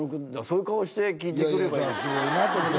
すごいな！と思て。